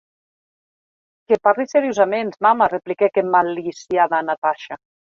Que parli seriosaments, mama, repliquèc emmaliciada Natasha.